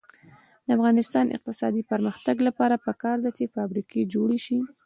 د افغانستان د اقتصادي پرمختګ لپاره پکار ده چې فابریکې جوړې شي.